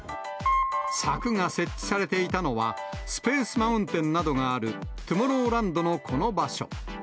柵が設置されていたのは、スペース・マウンテンなどがある、トゥモローランドのこの場所。